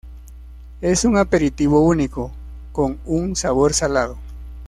Es un aperitivo único, con un sabor salado.